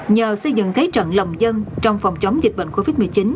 nhờ xây dựng thế trận lòng dân trong phòng chống dịch bệnh covid một mươi chín